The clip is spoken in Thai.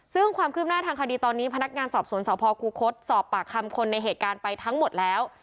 ซึ่งความคืบหน้าทางคดีตอนนี้พนักงานสอบสวนสพคูคศสอบปากคำคนในเหตุการณ์ไปทั้งหมดแล้ว